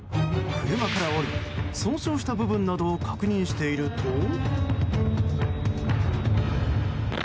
車から降り損傷した部分などを確認していると。